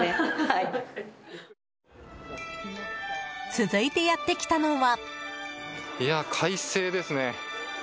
続いてやってきたのは。